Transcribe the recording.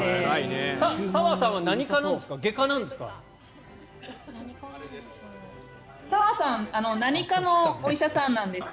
サワさんは何科なんですか？